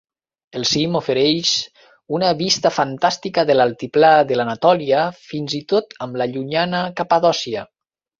El cim ofereix una vista fantàstica de l'altiplà de l'Anatòlia, fins i tot amb la llunyana Capadòcia.